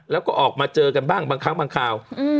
แล้วก็ออกมาเจอกันบ้างบางครั้งบางคราว